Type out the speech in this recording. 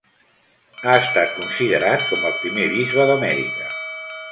Ha estat considerat com el primer bisbe d'Amèrica.